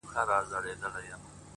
هغه ښايسته بنگړى په وينو ســـور دى-